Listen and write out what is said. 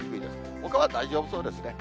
ほかは大丈夫そうですね。